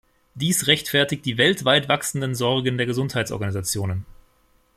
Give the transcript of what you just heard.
Dies rechtfertigt die weltweit wachsenden Sorgen der Gesundheitsorganisationen.